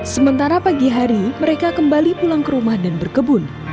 sementara pagi hari mereka kembali pulang ke rumah dan berkebun